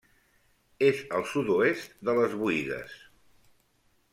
És al sud-oest de les Boïgues.